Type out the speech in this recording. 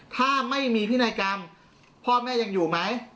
ถ้าไม่มีพินัยกรรมพ่อแม่ยังอยู่ไหม